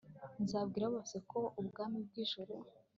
nzabwira bose ko ubwami bw'ijuru